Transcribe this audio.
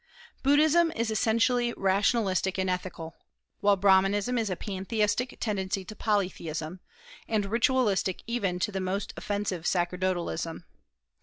Buddhism is essentially rationalistic and ethical, while Brahmanism is a pantheistic tendency to polytheism, and ritualistic even to the most offensive sacerdotalism.